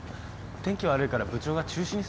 天気悪いから部長が中止にするかもって。